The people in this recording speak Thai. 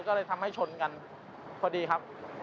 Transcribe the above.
ก็เลยทำให้ชนกันพอดีครับ